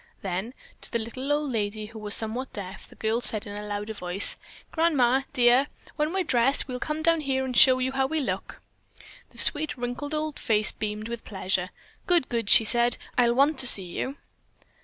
Then to the little old lady, who was somewhat deaf, the girl said in a louder voice: "Grandma, dear, when we're dressed, we'll come down here and show you how we look." The sweet, wrinkled old face beamed with pleasure. "Good! Good!" she said. "I'll want to see you."